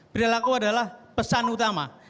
perilaku adalah pesan utama